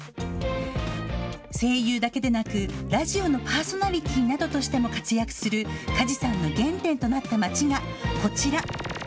声優だけでなくラジオのパーソナリティーなどとしても活躍する梶さんの原点となった街がこちら。